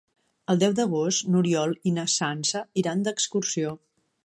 El deu d'agost n'Oriol i na Sança iran d'excursió.